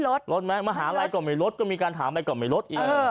โรงเรียนลูกชายบ้างก็ไม่ลด